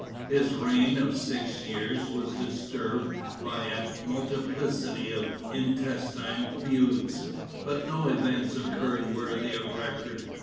His reign of six years was disturbed by a multiplicity of intestine feuds, but no events occurred worthy of record.